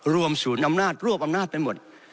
ศูนย์อำนาจรวบอำนาจไปหมด